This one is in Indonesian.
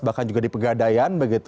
bahkan juga di pegadaian